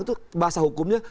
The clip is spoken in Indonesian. itu bahasa hukumnya